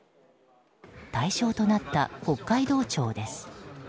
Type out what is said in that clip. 対象となった北海道庁です。